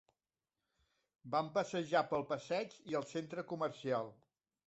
Vam passejar pel passeig i el centre comercial.